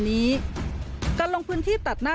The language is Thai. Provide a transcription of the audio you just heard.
ในแรงพื้นอีก๒๒กว่า